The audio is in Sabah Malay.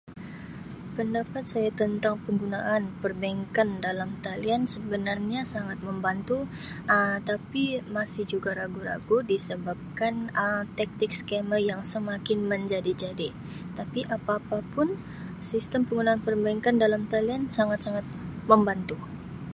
"Pendapat saya tentang penggunaan perbankan dalam talian sebenarnya sangat membantu Um tapi masih juga ragu-ragu disebabkan Um taktik ""scammer"" yang semakin menjadi-jadi tapi apa-apapun sistem penggunaan perbankan dalam talian sangat-sangat membantu. "